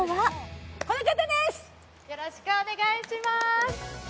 よろしくお願いします